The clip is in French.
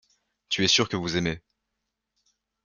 Tu es sûr que vous aimez.